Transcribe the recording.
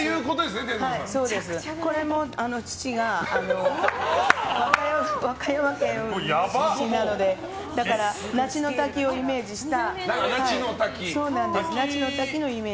これも父が和歌山県の出身なので那智の滝のイメージです。